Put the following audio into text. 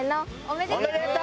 おめでとう！